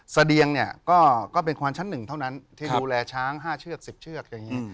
เสดียงก็เป็นความชั้นหนึ่งเท่านั้นที่ดูแลช้าง๕เชือก๑๐เชือก